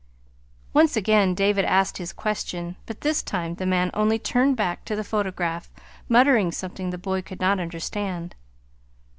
Once again David asked his question, but this time the man only turned back to the photograph, muttering something the boy could not understand.